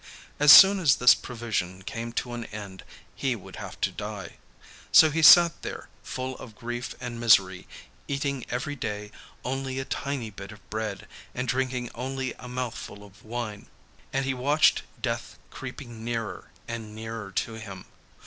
As soon as this provision came to an end he would have to die. So he sat there full of grief and misery, eating every day only a tiny bit of bread, and drinking only a mouthful of ovine, and he watched death creeping nearer and nearer to him.